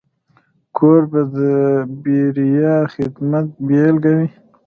کوربه د بېریا خدمت بيلګه وي.